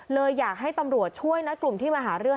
เลยอยากให้ตำรวจช่วยนะกลุ่มที่มาหาเรื่อง